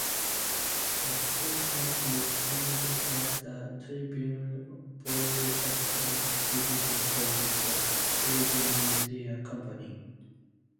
The station is owned by the Tribune Broadcasting division of the Tribune Media Company.